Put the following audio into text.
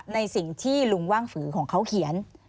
ในสิ่งที่ลุงว่างฝือของเขาเขียน